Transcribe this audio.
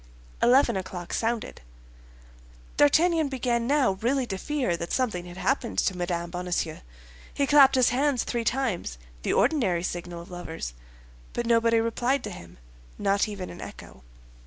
Eleven o'clock sounded. D'Artagnan began now really to fear that something had happened to Mme. Bonacieux. He clapped his hands three times—the ordinary signal of lovers; but nobody replied to him, not even an echo.